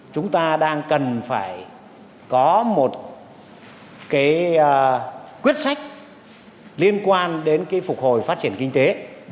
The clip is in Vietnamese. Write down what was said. chúng ta đang cần phải có một cái quyết sách liên quan đến phục hồi phát triển kinh tế